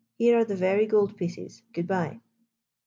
Here are the very goldpieces. Good bye."